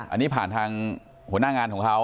อันนี้ผ่านทางหัวหน้างานของเขา